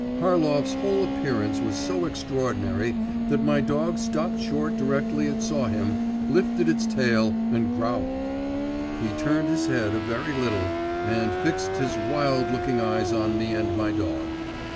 Harlov's whole appearance was so extraordinary that my dog stopped short directly it saw him, lifted its tail, and growled. He turned his head a very little, and fixed his wild looking eyes on me and my dog.